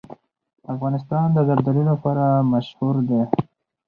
افغانستان د زردالو لپاره مشهور دی.